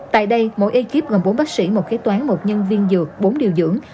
tại đây mỗi ekip gồm bốn bác sĩ một kế toán một nhân viên dược bốn điều dưỡng